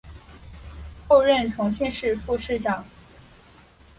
后任重庆市副市长。